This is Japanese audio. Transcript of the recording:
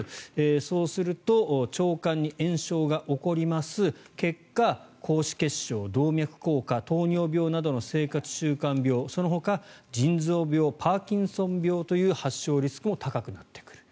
そうすると腸管に炎症が起こります結果、高脂血症、動脈硬化糖尿病などの生活習慣病そのほか腎臓病、パーキンソン病という発症リスクも高くなってくる。